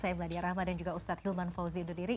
saya meladia rahma dan juga ustadz hilman fauzi undur diri